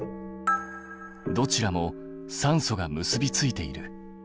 どちらも酸素が結びついている。